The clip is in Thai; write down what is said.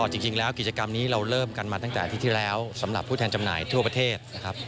จริงแล้วกิจกรรมนี้เราเริ่มกันมาตั้งแต่อาทิตย์ที่แล้วสำหรับผู้แทนจำหน่ายทั่วประเทศนะครับ